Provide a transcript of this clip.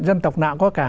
dân tộc nào cũng có cả